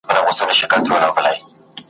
د جهاني غوندي د ورځي په رڼا درځمه ,